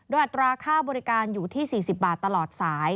โดยอัตราค่าบริการอยู่ที่๔๐บาทตลอดสาย